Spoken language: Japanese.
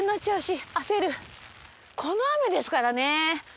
この雨ですからね。